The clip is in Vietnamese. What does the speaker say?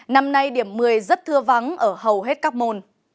năm nay điểm một mươi rất thưa vắng ở hầu hết các môn